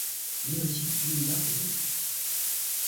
L'Inocybe gris lilas est toxique.